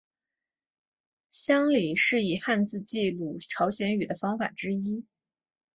乡札是以汉字记录朝鲜语的方法之一。